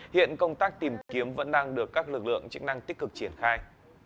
hiện công tác tìm kiếm vẫn đang được các lực lượng chức năng tích cực triển khai